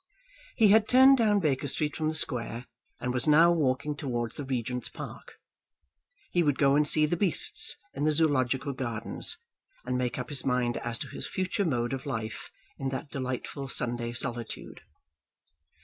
He had turned down Baker Street from the square, and was now walking towards the Regent's Park. He would go and see the beasts in the Zoological Gardens, and make up his mind as to his future mode of life in that delightful Sunday solitude.